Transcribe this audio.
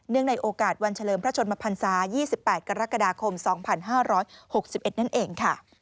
เนื่องในโอกาสวันเฉลิมพระชนมภัณฑา๒๘กรกฎาคม๒๕๖๑นั่นเอง